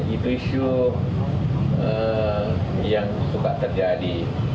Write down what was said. itu isu yang suka terjadi